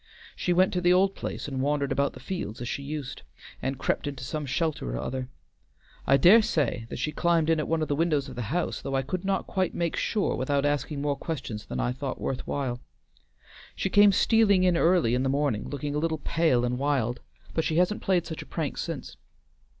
She went to the old place and wandered about the fields as she used, and crept into some shelter or other. I dare say that she climbed in at one of the windows of the house, though I could not make quite sure without asking more questions than I thought worth while. She came stealing in early in the morning, looking a little pale and wild, but she hasn't played such a prank since.